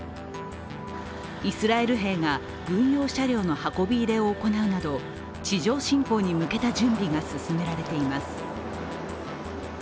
イスラエル兵が軍用車両の運び入れを行うなど地上侵攻に向けた準備が進められています。